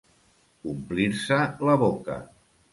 Omplir-se la boca.